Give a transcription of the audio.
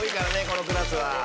このクラスは。